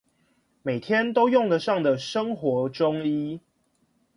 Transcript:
每天都用得上的生活中醫